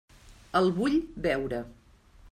El vull veure.